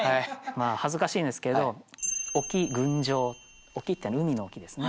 まあ恥ずかしいんですけど「沖群青」「沖」って海の沖ですね。